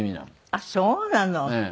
あっそうなの。